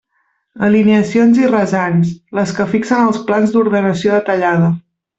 Alineacions i rasants: les que fixen els plans d'ordenació detallada.